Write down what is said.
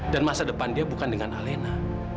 dan masa depan dia bukan dengan alina